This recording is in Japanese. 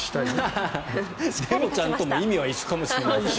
どのちゃんとも意味は一緒かもしれない。